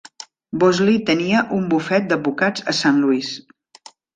Bosley tenia un bufet d'advocats a Saint Louis.